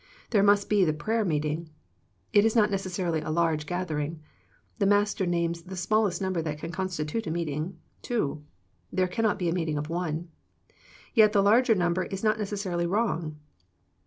There must be the prayer meeting. It is not necessarily a large gathering. The Master names the smallest num ber that can constitute a meeting — two. There cannot be a meeting of one. Yet the larger num ber is not necessarily wrong.